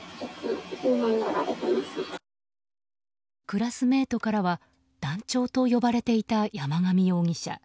クラスメートからは団長と呼ばれていた山上容疑者。